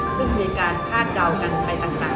ซึ่งมีการคาดเดากันไปต่าง